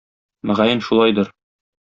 Мөгаен, шулайдыр.